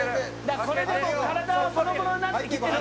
「これでもう体はボロボロになってきてる」